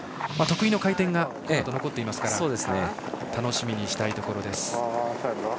得意の回転が残っていますから楽しみにしたいところです。